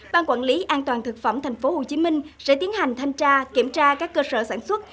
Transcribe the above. ban quản lý an toàn thực phẩm tp hcm sẽ tiến hành thanh tra kiểm tra các cơ sở sản xuất